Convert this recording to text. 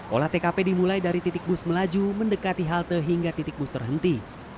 olah tkp dimulai dari titik bus melaju mendekati halte hingga titik bus terhenti